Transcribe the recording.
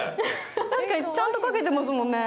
確かに、ちゃんと描けていますもんね。